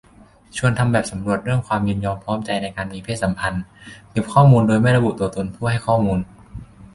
ชวนทำแบบสำรวจเรื่องความยินยอมพร้อมใจในการมีเพศสัมพันธ์ เก็บข้อมูลโดยไม่ระบุตัวตนผู้ให้ข้อมูล